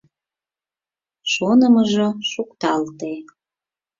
Шонымыжо шукталте.